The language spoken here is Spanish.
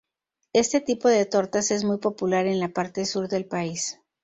Este tipo de tortas es muy popular en la parte sur del país.